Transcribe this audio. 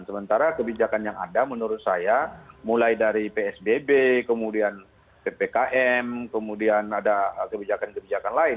sementara kebijakan yang ada menurut saya mulai dari psbb kemudian ppkm kemudian ada kebijakan kebijakan lain